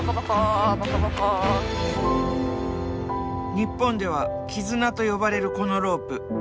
日本では「絆」と呼ばれるこのロープ。